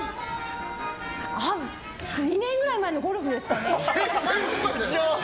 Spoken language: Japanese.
２年くらい前のゴルフですかね。